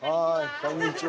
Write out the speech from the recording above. こんにちは。